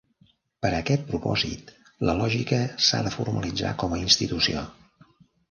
Per a aquest propòsit, la lògica s'ha de formalitzar com a institució.